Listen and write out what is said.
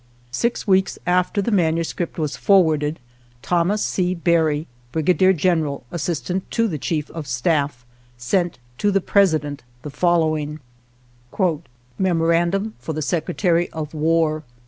Six weeks after the manuscript was for warded, Thomas C. Barry, Brigadier Gen eral, Assistant to the Chief of Staff , sent to the President the following: " Memorandum for the Secretary of War.